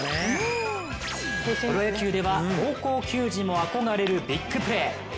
プロ野球では、高校球児も憧れるビッグプレー。